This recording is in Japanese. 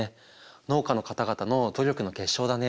農家の方々の努力の結晶だね。